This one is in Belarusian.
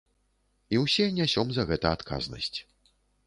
І ўсе нясём за гэта адказнасць.